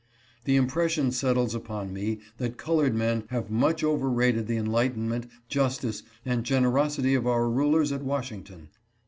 The impres sion settles upon me that colored men have much over rated the enlightenment, justice, and generosity of our rulers at Washington.